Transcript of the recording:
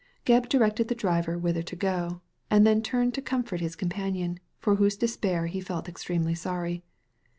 Gebb directed the driver whither to go, and then turned to comfort his companion, for whose despair he felt extremely sorry.